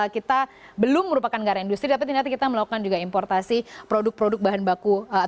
kita belum merupakan negara industri tapi ternyata kita melakukan juga importasi produk produk bahan baku ataupun bahan baku pesawat